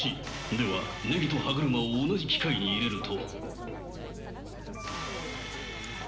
ではネギと歯車を同じ機械に入れると。